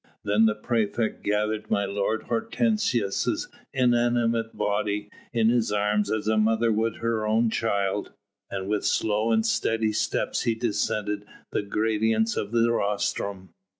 Then the praefect gathered my lord Hortensius' inanimate body in his arms as a mother would her own child, and with slow and steady steps he descended the gradients of the rostrum.